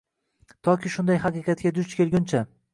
Toki shunday haqiqatga duch kelguncha